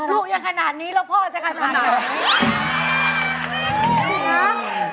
ลูกยังขนาดนี้แล้วพ่อจะขนาดไหน